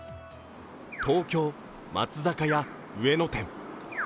東京・松坂屋上野店。